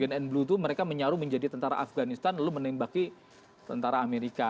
gen and blue itu mereka menyaruh menjadi tentara afganistan lalu menembaki tentara amerika